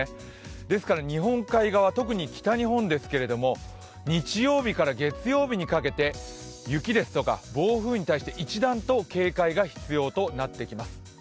ですから日本海側、特に北日本ですけれども、日曜日から月曜日にかけて雪ですとか、暴風に対して一段と警戒が必要となってきます。